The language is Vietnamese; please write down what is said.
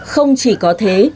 không chỉ có thế